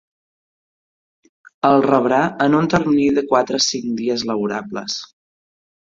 El rebrà en un termini de quatre-cinc dies laborals.